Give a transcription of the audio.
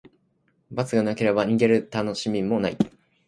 罰がなければ、逃げるたのしみもない。